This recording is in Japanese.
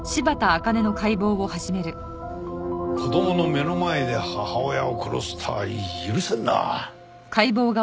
子供の目の前で母親を殺すとは許せんな！